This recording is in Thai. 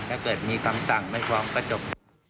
ถ้าเกิดมีคำสั่งไม่ฟ้องก็จบ